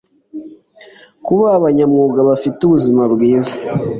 kuba abanyamwuga bafite ubuzima bwiza